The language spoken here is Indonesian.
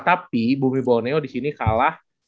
tapi bumi boneo disini kalah